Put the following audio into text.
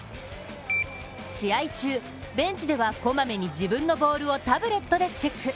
試合中、ベンチではこまめに自分のボールをタブレットでチェック。